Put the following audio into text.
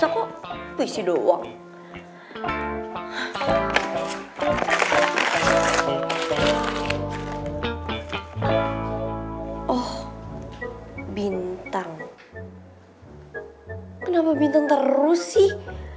kenapa bintang terus sih